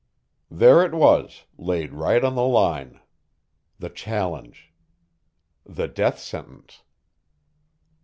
There it was, laid right on the line. The challenge The death sentence.